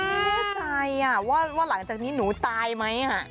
ไม่แน่ใจว่าหลังจากนี้หนูตายไหม